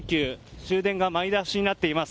終電が前倒しになっています。